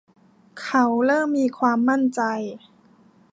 เขาเริ่มมีความมั่นใจ